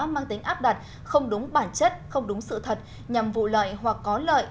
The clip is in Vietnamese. mang tính áp đặt không đúng bản chất không đúng sự thật nhằm vụ lợi hoặc có lợi